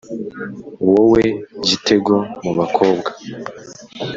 wowe, gitego mu bakobwa?